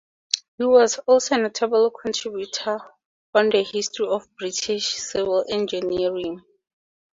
He was also a notable contributor on the history of British civil engineering.